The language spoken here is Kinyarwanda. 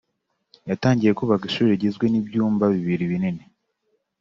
yatangiye kubaka ishuri rigizwe n'ibyumba bibiri binini